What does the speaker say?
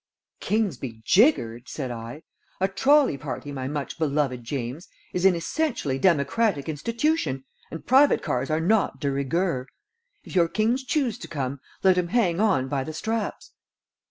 "Kings be jiggered!" said I. "A trolley party, my much beloved James, is an essentially democratic institution, and private cars are not de rigueur. If your kings choose to come, let 'em hang on by the straps."